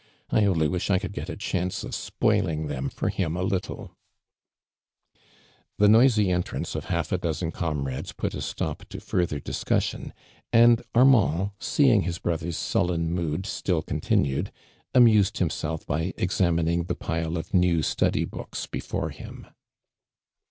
I oidy wish I could get a chance of spoiling them for him a little !" The noisy ^ntrance of half a dozen com rades put a st«>i> to further discussion, and .\rmanil, seeing liis brother's sullm mood ^till continued, amused himself by e.\:iniin iiig the pile nl' new stutly books before him.